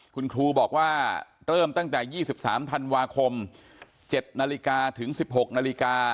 คุณครูบอกว่าเริ่มตั้งแต่๒๓ธันวาคม๗นาฬิกาถึง๑๖นาฬิกา